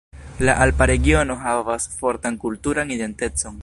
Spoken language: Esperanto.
La Alpa regiono havas fortan kulturan identecon.